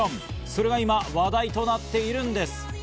それが今、話題となっているんです。